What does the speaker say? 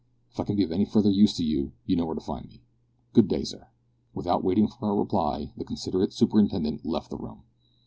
If I can be of any further use to you, you know where to find me. Good day, sir." Without waiting for a reply the considerate superintendent left the room.